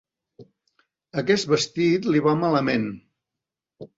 Aquest vestit li va malament.